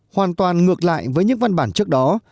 hoàn toàn ngược lại với những văn bản trước đó